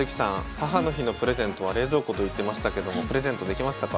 母の日のプレゼントは冷蔵庫と言ってましたけどもプレゼントできましたか？